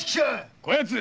こやつ！